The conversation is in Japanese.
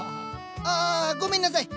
あごめんなさい！